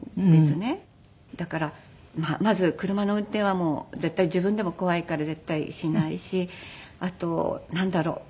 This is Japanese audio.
だからまず車の運転はもう絶対自分でも怖いから絶対しないしあとなんだろう。